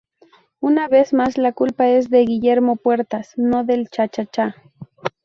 una vez más la culpa es de Guillermo Puertas, no del chachacha